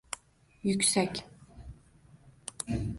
Yuksak